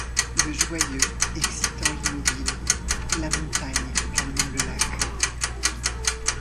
le joyeux excitant l'immobile et la montagne calmant le lac.